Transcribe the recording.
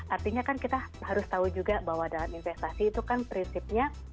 artinya kan kita harus tahu juga bahwa dalam investasi itu kan prinsipnya